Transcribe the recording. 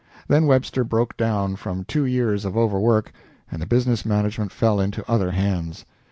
Then Webster broke down from two years of overwork, and the business management fell into other hands.